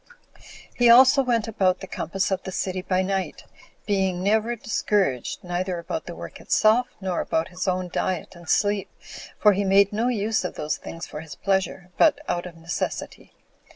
He also went about the compass of the city by night, being never discouraged, neither about the work itself, nor about his own diet and sleep, for he made no use of those things for his pleasure, but out of necessity.